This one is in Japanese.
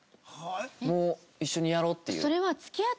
もう一緒にやろうっていう。